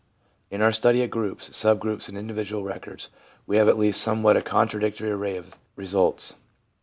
In our study of groups, sub groups and individual records, we have at last a somewhat contradictory array of results.